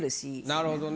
なるほどね。